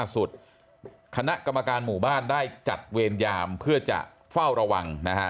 คณะกรรมการหมู่บ้านได้จัดเวรยามเพื่อจะเฝ้าระวังนะฮะ